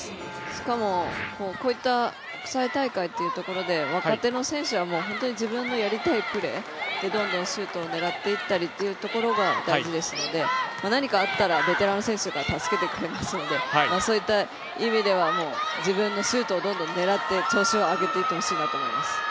しかもこういった国際大会っていうところで、若手の選手は本当に自分のやりたいプレーでどんどんシュートを狙っていったりというところが大事ですので、何かあったらベテランの選手が助けてくれますのでそういった意味では自分のシュートをどんどん狙って調子を上げていってほしいなと思います。